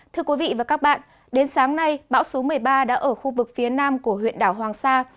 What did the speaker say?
thưa quý vị và các bạn đến sáng nay bão số một mươi ba đã ở khu vực phía nam của huyện đảo hoàng sa